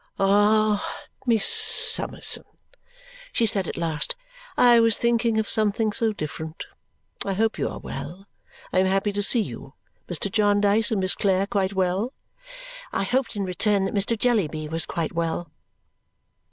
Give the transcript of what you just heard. "Ah! Miss Summerson!" she said at last. "I was thinking of something so different! I hope you are well. I am happy to see you. Mr. Jarndyce and Miss Clare quite well?" I hoped in return that Mr. Jellyby was quite well.